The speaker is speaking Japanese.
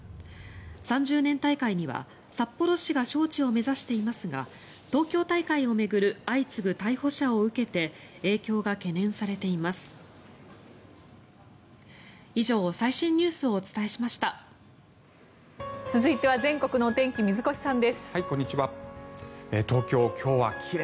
３０年大会には札幌市が招致を目指していますが東京大会を巡る相次ぐ逮捕者を受けて影響が懸念されています。